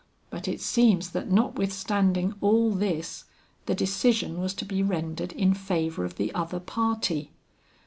But it seems that notwithstanding all this, the decision was to be rendered in favor of the other party.